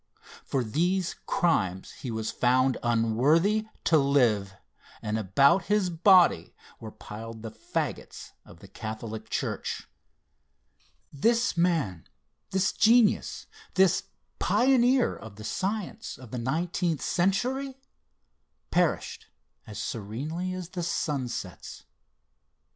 For these crimes he was found unworthy to live, and about his body were piled the fagots of the Catholic Church. This man, this genius, this pioneer of the science of the nineteenth century, perished as serenely as the sun sets.